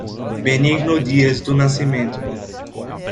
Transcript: Benigno Dias do Nascimento